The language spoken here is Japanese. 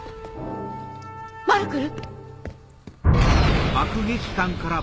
マルクル！